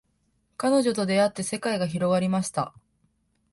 彼女と出会って世界が広がりました